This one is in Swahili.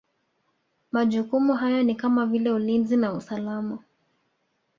Majukumu hayo ni kama vile Ulinzi na usalama